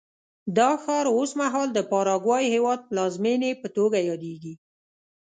دا ښار اوس مهال د پاراګوای هېواد پلازمېنې په توګه یادېږي.